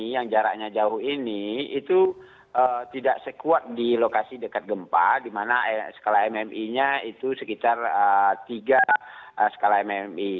yang jaraknya jauh ini itu tidak sekuat di lokasi dekat gempa di mana skala mmi nya itu sekitar tiga skala mmi